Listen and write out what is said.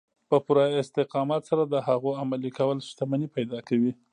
په پوره استقامت سره د هغو عملي کول شتمني پيدا کوي.